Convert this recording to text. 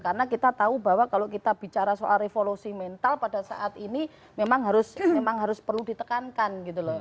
karena kita tahu bahwa kalau kita bicara soal revolusi mental pada saat ini memang harus perlu ditekankan gitu loh